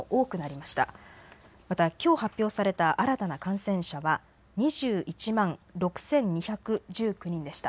またきょう発表された新たな感染者は２１万６２１９人でした。